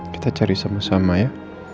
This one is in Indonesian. kita cari sama sama ya